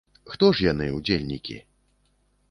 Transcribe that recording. Хто ж яны, удзельнікі?